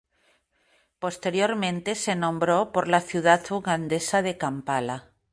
Posteriormente se nombró por la ciudad ugandesa de Kampala.